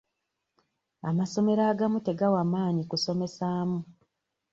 Amasomero agamu tegawa maanyi kusomesaamu.